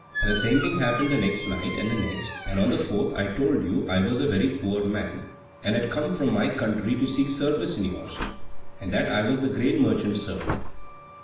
And the same thing happened the next night, and the next, and on the fourth I told you I was a very poor man, and had come from my country to seek service in yours, and that I was the grain merchant's servant.